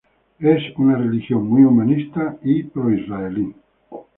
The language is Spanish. Es una religión muy humanista y pro-israelí.